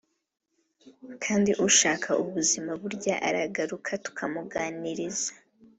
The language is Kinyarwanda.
kandi ushaka ubuzima burya aragaruka tukamuganiriza